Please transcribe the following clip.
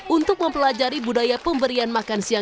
untuk mempelajari budaya pemberian makan siang